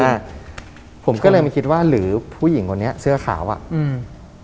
อืมผมก็เลยไม่คิดว่าหรือผู้หญิงคนนี้เสื้อขาวอ่ะอืม